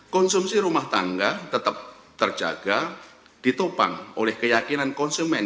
konsumsi rumah tangga tetap terjaga ditopang oleh keyakinan konsumen